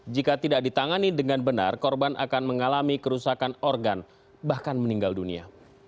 jika tidak ditangani dengan benar korban akan mengalami kerusakan organ bahkan meninggal dunia